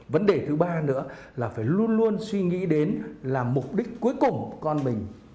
vấn đề thứ ba nữa là phải luôn luôn suy nghĩ đến là mục đích cuối cùng của con mình